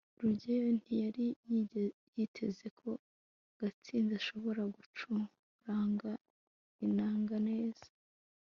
rugeyo ntiyari yiteze ko gashinzi azashobora gucuranga inanga neza